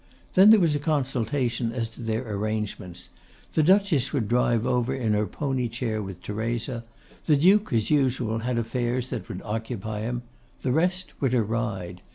Then there was a consultation as to their arrangements. The Duchess would drive over in her pony chair with Theresa. The Duke, as usual, had affairs that would occupy him. The rest were to ride.